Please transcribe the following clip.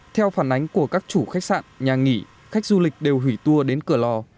theo phản ánh của các chủ khách sạn nhà nghỉ khách du lịch đều hủy tour đến cửa lò